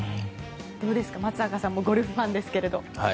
どうですか、松坂さんゴルフファンですけど。